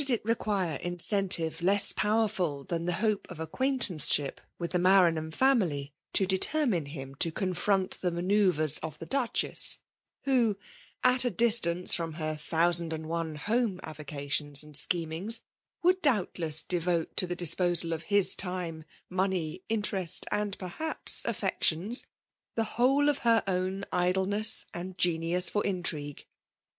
it require incentive less powerfiil than the hope of acquaintaneeship with the Maran ham family to determine him to confinmt the manoBUvres of the Duchess, who, at a disfcuiee from her thousand and»one home avocatiaoa and schemings, would doubtless devote to the disposal of his time, money, interest, and, per haps, aiFections, the whole of her own idleness and genius for intrigue.